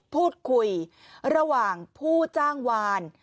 พูดคุยระหว่างผู้จ้างวาน